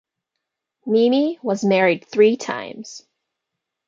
Mimi was married three times.